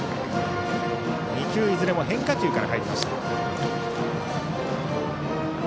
２球いずれも変化球から入りました。